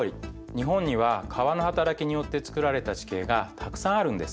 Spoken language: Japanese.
日本には川のはたらきによってつくられた地形がたくさんあるんです。